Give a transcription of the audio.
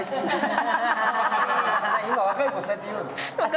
今、若い子、そうやって言うの？